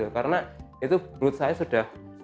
karena itu menurut saya sudah